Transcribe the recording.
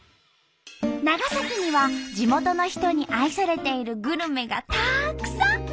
長崎には地元の人に愛されているグルメがたくさん！